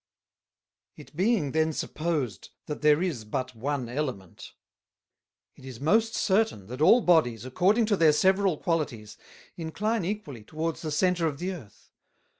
"It being then supposed, that there is but one Element; it is most certain, that all Bodies, according to their several qualities, incline equally towards the Center of the Earth.